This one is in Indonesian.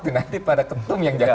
tidak tapi pada ketum yang jawab